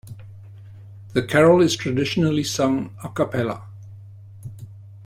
The carol is traditionally sung "a cappella".